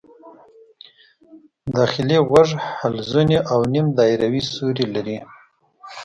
داخلي غوږ حلزوني او نیم دایروي سوري لري.